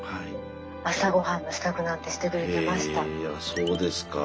そうですか。